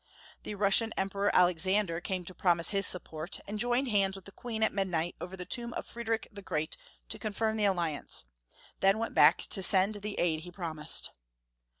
The Russian Emperor Alexander came to promise his support, and joined hands with the Queen at midnight over the tomb of Friedrich the Great to confirm the alliance, then went back to send the aid he promised.